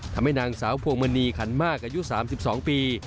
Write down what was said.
ทำให้นางสาวพวงมณีขันมากอายุ๓๒ปี